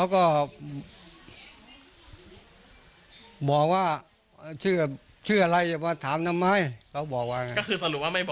เขาก็บอกว่า